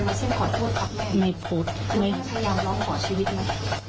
แล้วเสร็จขอโทษกับแม่ไม่พูดไม่พยายามร้องขอชีวิตนะ